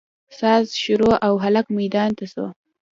ساز شروع او هلک ميدان ته سو.